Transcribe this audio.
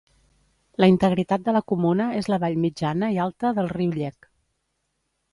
La integritat de la comuna és la vall mitjana i alta del riu Llec.